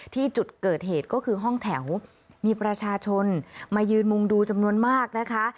ที่จุดเกิดเหตุก็คือห้องแถวมีประชาชนมายืนมุงดูจำนวนมากนะคะ